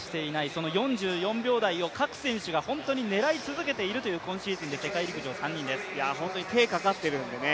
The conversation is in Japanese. その４４秒台を各選手が本当に狙い続けているという今シーズンの本当に手かかってるんでね